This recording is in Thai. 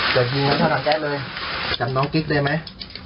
จัดคุณสำชาติทำใจเลยจำน้องกิ๊กได้ไหม